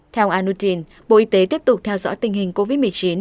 theo annutin bộ y tế tiếp tục theo dõi tình hình covid một mươi chín